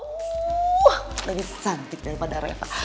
wuuuh lebih santik daripada reva